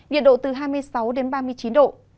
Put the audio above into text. nhiệt độ từ hai mươi sáu đến ba mươi chín độ